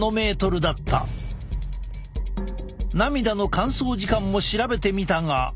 涙の乾燥時間も調べてみたが。